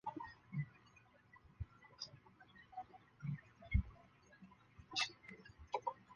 旋转木马或回转木马是游乐场机动游戏的一种。